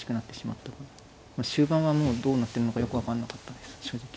まあ終盤はもうどうなってんのかよく分かんなかったです正直。